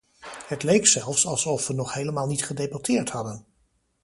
Het leek zelfs alsof we nog helemaal niet gedebatteerd hadden.